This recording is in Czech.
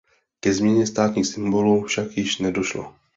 Ke změně státních symbolů však již nedošlo.